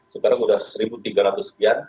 sekarang sudah satu tiga ratus sekian